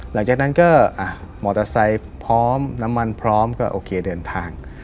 หลังจากนั้นก็มอเตอร์ไซค์พร้อมน้ำมันพร้อมก็โอเคเดินทาง